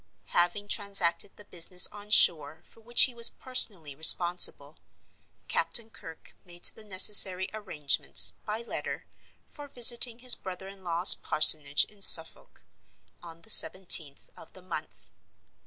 Having transacted the business on shore for which he was personally responsible, Captain Kirke made the necessary arrangements, by letter, for visiting his brother in law's parsonage in Suffolk, on the seventeenth of the month.